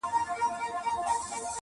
د نر هلک ژړا په زانګو کي معلومېږي -